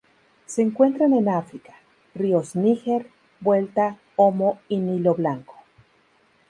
Se encuentran en África: ríos Níger, Vuelta, Omo y Nilo Blanco.